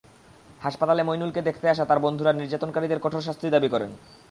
হাসপাতালে মইনুলকে দেখতে আসা তাঁর বন্ধুরা নির্যাতনকারীদের কঠোর শাস্তির দাবি করেন।